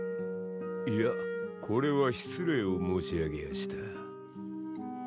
いやこれは失礼を申し上げやした。